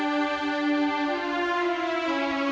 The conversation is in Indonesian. jangan nganjil hewan bagus